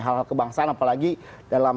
hal hal kebangsaan apalagi dalam